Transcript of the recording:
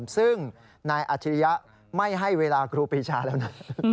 ซึ่งนายอัจฉริยะไม่ให้เวลาครูปีชาแล้วนะ